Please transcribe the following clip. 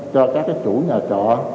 cho các cái chủ nhà trọ